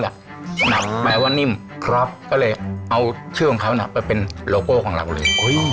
นับแปลว่างว่างนิ่มทรัพย์ก็เลยเอาชื่อของเขาก็นับเป็นโลโก้ของเราเลย